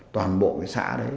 toàn bộ cái xã đấy